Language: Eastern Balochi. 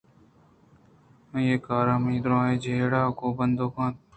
آئی ءِ کار منی دُرٛاہیں جیڑہ ءَ گوں بندوک اَنت